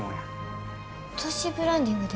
都市ブランディングですか？